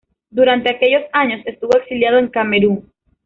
Durante aquellos años estuvo exiliado en Camerún.